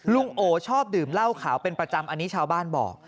โอชอบดื่มเหล้าขาวเป็นประจำอันนี้ชาวบ้านบอก